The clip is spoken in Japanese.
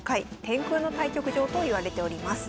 「天空の対局場」といわれております。